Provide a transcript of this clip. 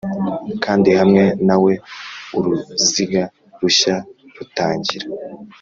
kandi hamwe nawe uruziga rushya rutangira